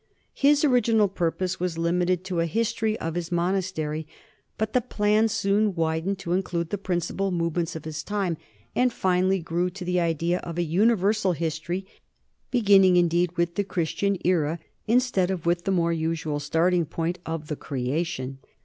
His original purpose was limited to a history of his monas tery, but the plan soon widened to include the principal movements of his time and finally grew to the idea of a universal history, beginning, indeed, with the Christian era instead of with the more usual starting point of the Creation.